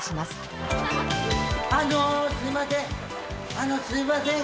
あのすいません。